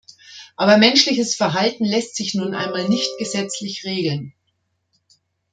Aber menschliches Verhalten lässt sich nun einmal nicht gesetzlich regeln.